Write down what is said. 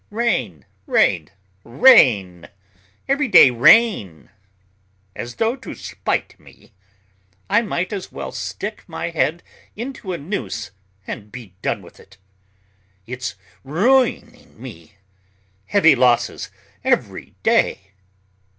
Rain, rain, rain! Every day rain! As though to spite me. I might as well stick my head into a noose and be done with it. It's ruining me. Heavy losses every day!"